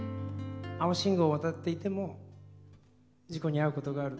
青信号を渡っていても事故に遭うことがある。